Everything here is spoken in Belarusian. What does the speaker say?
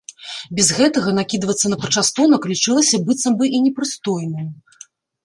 Без гэтага накідвацца на пачастунак лічылася быццам бы і непрыстойным.